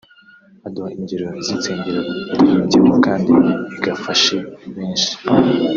aduha ingero z’insengero yayiririmbyemo kandi igafashe benshi